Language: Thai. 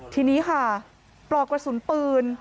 ทีนี้ค่ะปลอกกระสุนปืน